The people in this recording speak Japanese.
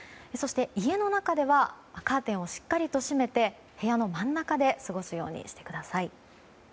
家の中ではカーテンをしっかりと閉めて部屋の真ん中で過ごすようにしてください。